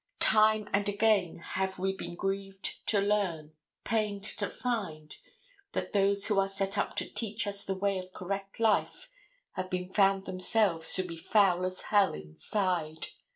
Time and again have we been grieved to learn, pained to find, that those who are set up to teach us the way of correct life have been found themselves to be foul as hell inside.